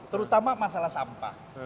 terutama masalah sampah